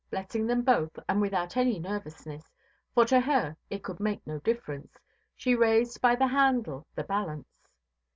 Blessing them both, and without any nervousness—for to her it could make no difference—she raised by the handle the balance.